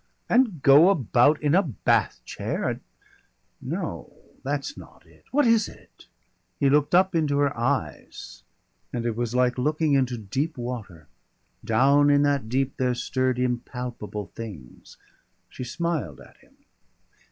"And go about in a bath chair, and No, that's not it. What is it?" He looked up into her eyes, and it was like looking into deep water. Down in that deep there stirred impalpable things. She smiled at him.